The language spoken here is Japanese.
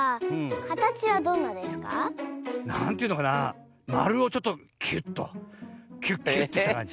なんというのかなまるをちょっとキュッとキュッキュッとしたかんじ。